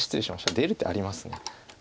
出る手あります。